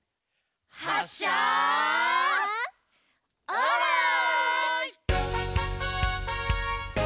はっしゃオーライ！